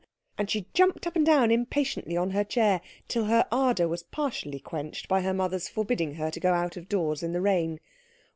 And she jumped up and down impatiently on her chair, till her ardour was partially quenched by her mother's forbidding her to go out of doors in the rain.